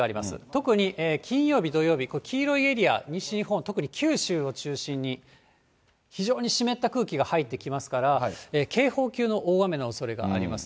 特に金曜日、土曜日、これ、黄色いエリア、西日本、特に九州を中心に、非常に湿った空気が入ってきますから、警報級の大雨のおそれがあります。